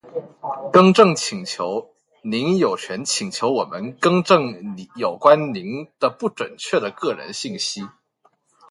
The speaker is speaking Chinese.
更正请求。您有权请求我们更正有关您的不准确的个人信息。